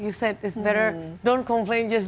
kamu katakan lebih baik jangan mengeluh